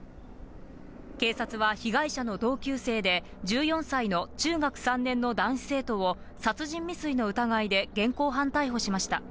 警察は被害者の同級生で、１４歳の中学３年の男子生徒を、殺人未遂の疑いで現行犯逮捕しました。